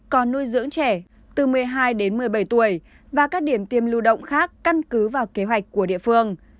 còn nuôi dưỡng trẻ từ một mươi hai đến một mươi bảy tuổi và các điểm tiêm lưu động khác căn cứ vào kế hoạch của địa phương